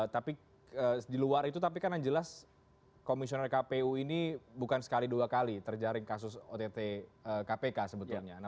tapi di luar itu tapi kan yang jelas komisioner kpu ini bukan sekali dua kali terjaring kasus ott kpk sebetulnya